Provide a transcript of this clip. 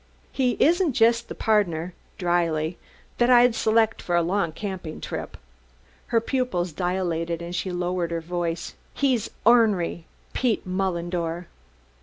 "He isn't just the pardner," dryly, "that I'd select for a long camping trip." Her pupils dilated and she lowered her voice: "He's ornery Pete Mullendore."